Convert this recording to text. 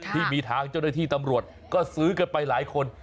ที่มีทางเจ้าหน้าที่ตำรวจก็ซื้อกันไปหลายคน